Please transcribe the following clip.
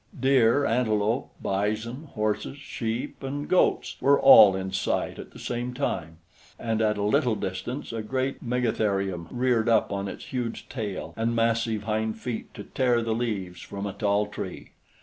Deer, antelope, bison, horses, sheep, and goats were all in sight at the same time, and at a little distance a great megatherium reared up on its huge tail and massive hind feet to tear the leaves from a tall tree.